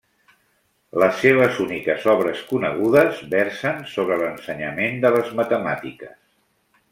Les seves úniques obres conegudes versen sobre l'ensenyament de les matemàtiques.